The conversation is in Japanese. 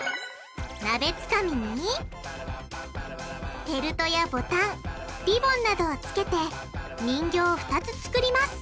なべつかみにフェルトやボタンリボンなどをつけて人形を２つ作ります！